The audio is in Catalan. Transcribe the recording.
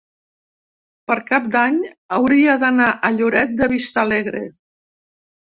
Per Cap d'Any hauria d'anar a Lloret de Vistalegre.